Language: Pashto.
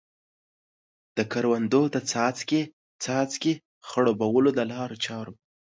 د کروندو د څاڅکې څاڅکي خړوبولو د لارو چارو.